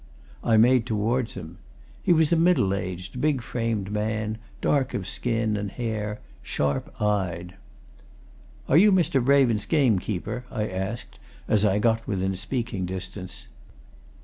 I made towards him. He was a middle aged, big framed man, dark of skin and hair, sharp eyed. "Are you Mr. Raven's gamekeeper?" I asked, as I got within speaking distance.